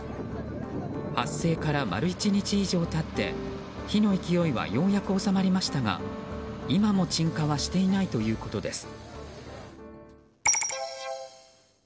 発生から丸１日以上経って火の勢いはようやく収まりましたが今も鎮火はしていないということです。